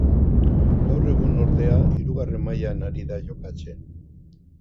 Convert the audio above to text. Gaur egun ordea hirugarren mailan ari da jokatzen.